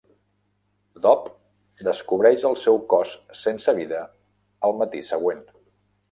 Dov descobreix el seu cos sense vida el matí següent.